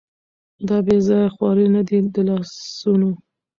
دا بېځايه خوارۍ نه دي د لاسونو